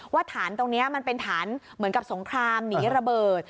ฐานตรงนี้มันเป็นฐานเหมือนกับสงครามหนีระเบิด